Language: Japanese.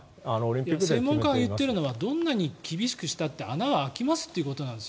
専門家が言っているのはどんなに厳しくしたって穴は空きますということなんです